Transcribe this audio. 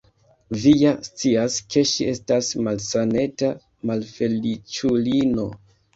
Vi ja scias, ke ŝi estas malsaneta, malfeliĉulino!